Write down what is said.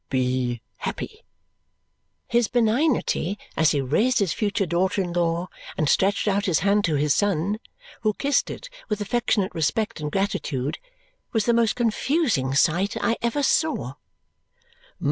Be happy!" His benignity as he raised his future daughter in law and stretched out his hand to his son (who kissed it with affectionate respect and gratitude) was the most confusing sight I ever saw.